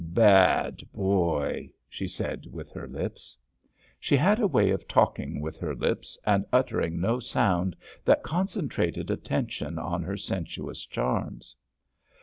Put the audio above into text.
"Bad boy," she said with her lips. She had a way of talking with her lips and uttering no sound that concentrated attention on her sensuous charms.